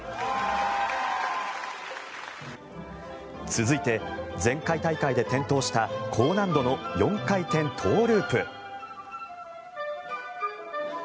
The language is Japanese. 続いて、前回大会で転倒した高難度の４回転トウループ。